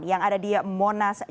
yang ada di monas